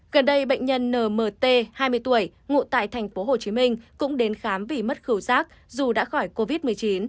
gần đây bệnh nhân nmt hai mươi tuổi ngụ tại tp hcm cũng đến khám vì mất khẩu giác dù đã khỏi covid một mươi chín